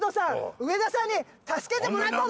上田さんに助けてもらったの！